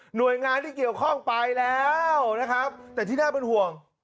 หน่วยงานที่เกี่ยวข้องไปแล้วนะครับแต่ที่น่าเป็นห่วง